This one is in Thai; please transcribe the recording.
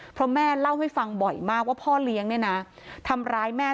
เพราะแม่เล่าให้ฟังบ่อยมากว่าพ่อเลี้ยงเนี่ยนะทำร้ายแม่